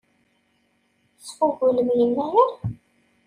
Tesfugulem Yennayer?